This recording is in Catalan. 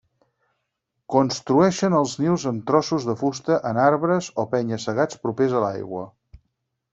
Construeixen els nius amb trossos de fusta en arbres o penya-segats propers a l'aigua.